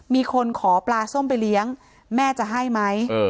มีคนขอปลาส้มไปเลี้ยงแม่จะให้ไหม